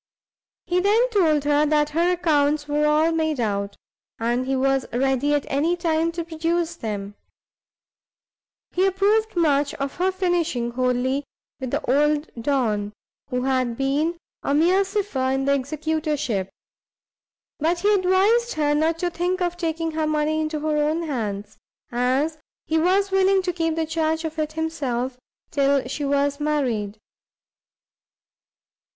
He then told her that her accounts were all made out, and he was ready at any time to produce them; he approved much of her finishing wholly with the old Don, who had been a mere cypher in the executorship; but he advised her not to think of taking her money into her own hands, as he was willing to keep the charge of it himself till she was married.